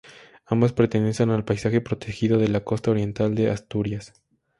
Ambas pertenecen al paisaje protegido de la costa oriental de Asturias.